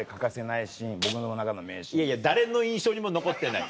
いやいや誰の印象にも残ってない。